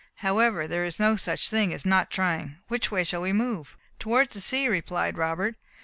However, there is no such thing as not trying. Which way shall we move?" "Towards the sea," replied Robert.